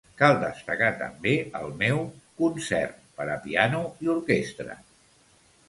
"Cal destacar també el meu ""Concert per a piano i orquestra""."